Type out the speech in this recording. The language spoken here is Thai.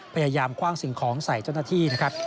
พยายามคว่างสิ่งของใส่เจ้าหน้าที่นะครับ